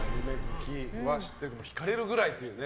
引かれるぐらいという。